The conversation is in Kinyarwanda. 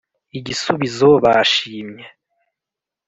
Igisubizo bashimye